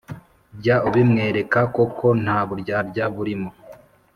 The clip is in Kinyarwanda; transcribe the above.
jya ubimwereka koko nta buryarya burimo,